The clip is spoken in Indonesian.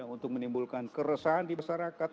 untuk menimbulkan keresahan di masyarakat